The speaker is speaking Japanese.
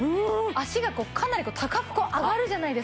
脚がかなり高く上がるじゃないですか。